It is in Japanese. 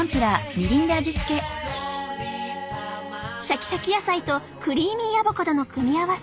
シャキシャキ野菜とクリーミーアボカドの組み合わせ